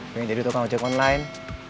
pengen jadi tukang ojek online